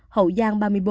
hậu giang ba mươi bốn